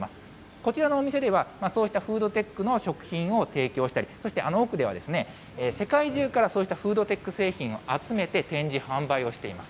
こちらのお店では、そうしたフードテックの食品を提供したり、そしてあの奥では、世界中からそうしたフードテック製品を集めて展示、販売をしています。